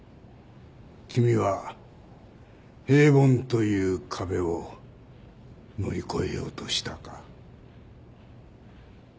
君は平凡という壁を乗り越えようとしたか？